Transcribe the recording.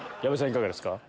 いかがですか？